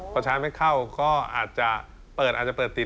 พอใช้ไม่เข้าก็อาจจะเปิดอาจจะเปิดติด